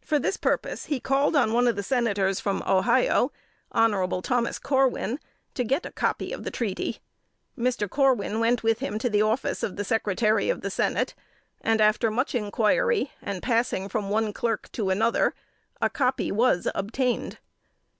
For this purpose, he called on one of the Senators from Ohio (Hon. Thomas Corwin), to get a copy of the treaty. Mr. Corwin went with him to the office of the Secretary of the Senate, and after much inquiry, and passing from one clerk to another, a copy was obtained.